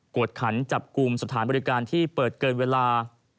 วดขันจับกลุ่มสถานบริการที่เปิดเกินเวลา